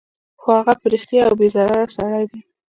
خو هغه په رښتیا یو بې ضرره سړی دی